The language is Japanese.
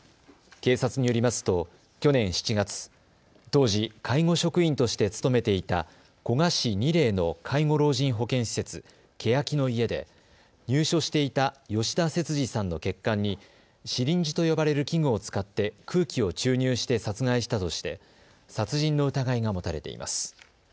警察によりますと去年７月、当時、介護職員として勤めていた古河市仁連の介護老人保健施設、けやきの舎で入所していた吉田節次さんの血管にシリンジと呼ばれる器具を使って空気を注入して殺害したとして殺人の疑いが持たれています。